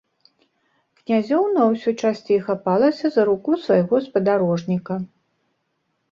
Князёўна ўсё часцей хапалася за руку свайго спадарожніка.